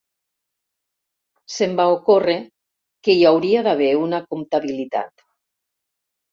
Se'm va ocórrer que hi hauria d'haver una comptabilitat.